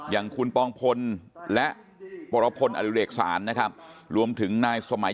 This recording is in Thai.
อย่างคุณปองพลและปรพลอดุกษานนะครับรวมถึงนายสมัย